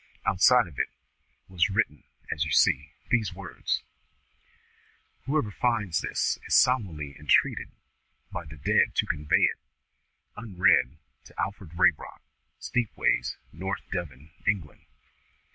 Outside of it was written, as you see, these words: 'Whoever finds this, is solemnly entreated by the dead to convey it unread to Alfred Raybrock, Steepways, North Devon, England.'